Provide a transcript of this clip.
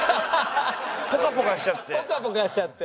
ポカポカしちゃって。